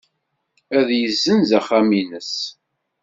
Ad yessenz axxam-nnes.